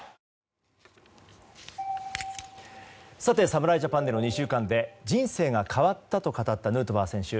さて、侍ジャパンでの２週間で人生が変わったと語ったヌートバー選手。